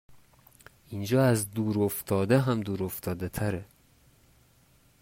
اینجااز دور افتاده هم دور افتاده تره